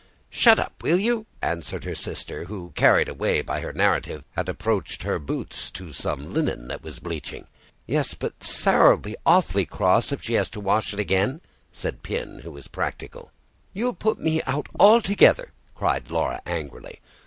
"Shut up, will you!" answered her sister who, carried away by her narrative, had approached her boots to some linen that was bleaching. "Yes, but you know Sarah'll be awfly cross if she has to wash it again," said Pin, who was practical. "You'll put me out altogether," cried Laura angrily.